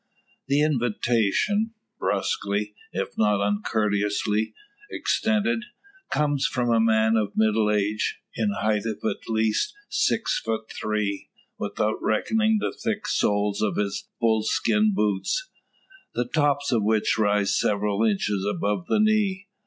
The invitation, brusquely, if not uncourteously, extended, comes from a man of middle age, in height at least six feet three, without reckoning the thick soles of his bull skin boots the tops of which rise several inches above the knee.